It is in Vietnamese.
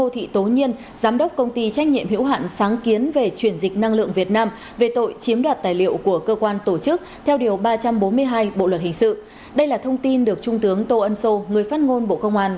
thông tin tại buổi họp báo trung tướng tô ân sô cho biết